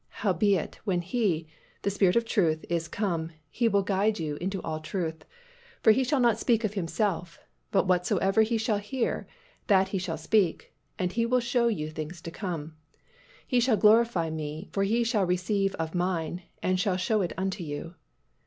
Howbeit when He, the Spirit of truth, is come, He will guide you into all truth: for He shall not speak of Himself; but whatsoever He shall hear, that shall He speak: and He will show you things to come. He shall glorify Me: for He shall receive of Mine, and shall show it unto you."